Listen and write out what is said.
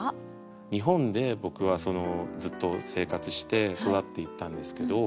日本で僕はずっと生活して育っていったんですけど。